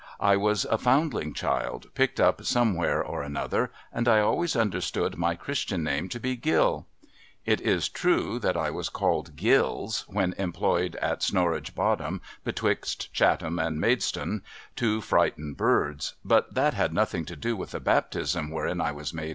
I was a foundling child, picked up somewhere or another, and I always understood my christian name to be Gill. It is true that I was called Gills when employed at Snorridge Bottom betwixt Chatham and Maidstone to frighten birds ; but that had nothing to do with the Baptism wherein I was made, &:c.